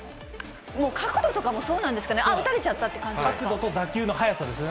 角度とかもそうなんですかね、あっ、打たれちゃったっていう、角度と打球の速さですね。